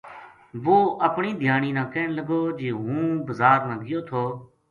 وہ اپنی دھیانی نا کہن لگو جی ہوں بزار نا گیو تھو